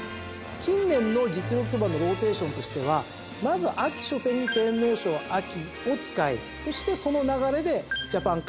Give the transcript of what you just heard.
近年の実力馬のローテーションとしてはまず秋初戦に天皇賞を使いそしてその流れでジャパンカップ。